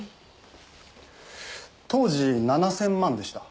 当時７０００万でした。